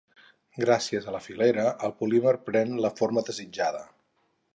Gràcies a la filera, el polímer pren la forma desitjada.